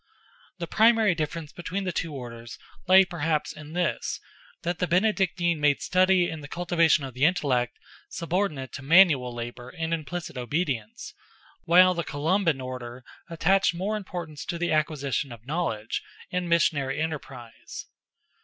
The primary difference between the two orders lay perhaps in this, that the Benedictine made study and the cultivation of the intellect subordinate to manual labour and implicit obedience, while the Columban Order attached more importance to the acquisition of knowledge and missionary enterprise.